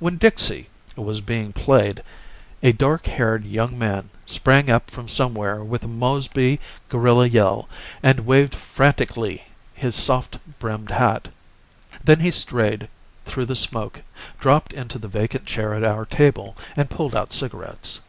When "Dixie" was being played a dark haired young man sprang up from somewhere with a Mosby guerrilla yell and waved frantically his soft brimmed hat. Then he strayed through the smoke, dropped into the vacant chair at our table and pulled out cigarettes.